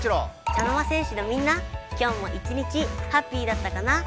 茶の間戦士のみんな今日も一日ハッピーだったかな？